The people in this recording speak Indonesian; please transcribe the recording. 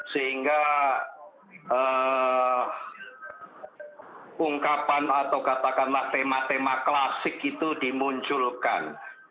sehingga ungkapan atau katakanlah tema tema klasik itu dimunculkan